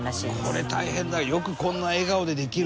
「これ大変だよ」